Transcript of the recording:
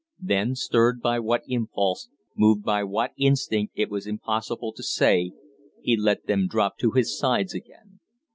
Then, stirred by what impulse, moved by what instinct, it was impossible to say, he let them drop to his sides again.